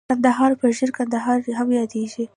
کندهار په ژړ کندهار هم ياديږي.